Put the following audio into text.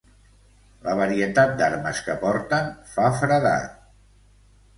La varietat d'armes que porten fa feredat.